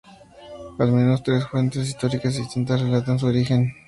Al menos, tres fuentes históricas distintas relatan su origen.